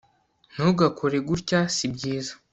ntugakore gutya sibyiza